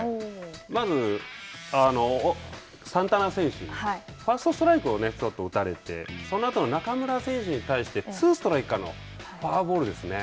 まず、サンタナ選手、ファーストストライクを打たれてそのあとの中村選手に対してツーストライクからのフォアボールですね。